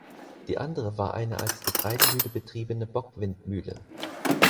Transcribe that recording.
Die andere war eine als Getreidemühle betriebene Bockwindmühle.